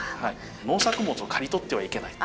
農作物を刈り取ってはいけない。